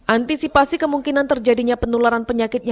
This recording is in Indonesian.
antisipasi kemungkinan terjadinya penularan penyakit